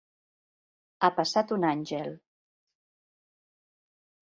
Ha passat un àngel.